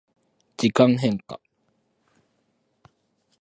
時間変化